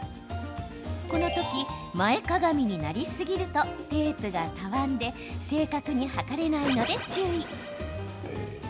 この時、前かがみになりすぎるとテープがたわんで正確に測れないので注意。